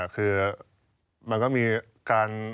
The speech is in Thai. คือมันก็มีการ